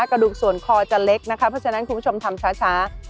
กระดูกส่วนคอจะเล็กนะคะเพราะฉะนั้นคุณผู้ชมทำช้า